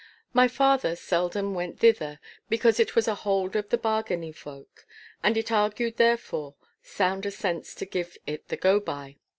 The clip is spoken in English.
My father seldom went thither, because it was a hold of the Bargany folk, and it argued therefore sounder sense to give it the go by.